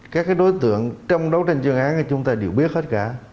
các đối tượng trong đấu tranh chuyên án chúng ta đều biết hết cả